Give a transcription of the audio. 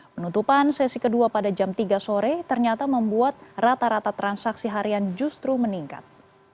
penutupan sesi kedua pada jam tiga sore ternyata membuat rata rata transaksi harian justru meningkat